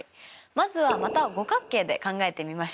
まずはまた五角形で考えてみましょう。